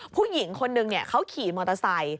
ผู้หญิงคนนึงเขาขี่มอเตอร์ไซค์